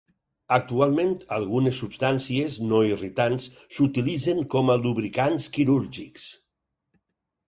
Actualment, algunes substàncies no irritants s'utilitzen com a lubricants quirúrgics.